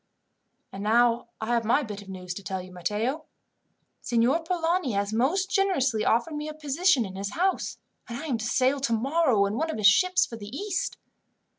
"And now I have my bit of news to tell you, Matteo. Signor Polani has most generously offered me a position in his house, and I am to sail tomorrow in one of his ships for the East."